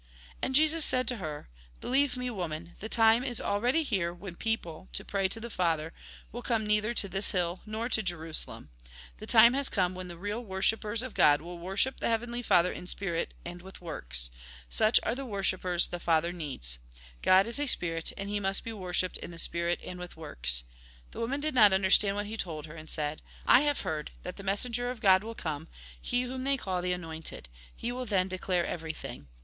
And Jesus said to her :" Believe me, woman, the time is already here, when people, to pray to the Father, will come neither to this hUl nor to Jerusalem. The time has come when the real worshippers of God will worship the Heavenly Father in spirit and with works. Such are the worshippers the Father needs. God is a spirit, and He must be worshipped in the spirit and with works." The woman did not understand what he told her, and said :" I have heard that the messenger of God will come, he whom they call the anointed. He will then declare everything."